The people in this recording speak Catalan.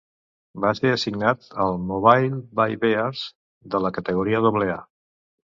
Va ser assignat als Mobile BayBears, de la categoria Doble A.